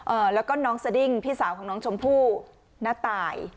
แล้วก็น้องสดิ้งพี่สาวของน้องชมพู่ณตาย